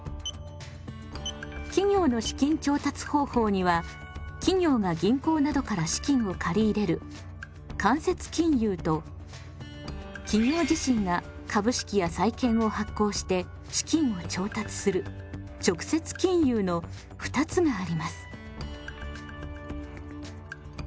企業の資金調達方法には企業が銀行などから資金を借り入れる間接金融と企業自身が株式や債券を発行して資金を調達する直接金融の２つがあります。